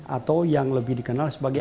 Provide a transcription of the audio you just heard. atau yang lebih dikenal sebagai